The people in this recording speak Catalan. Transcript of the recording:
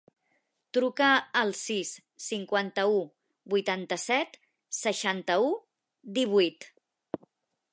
Truca al sis, cinquanta-u, vuitanta-set, seixanta-u, divuit.